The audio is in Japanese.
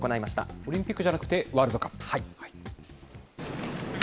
オリンピックじゃなくてワールドカップ？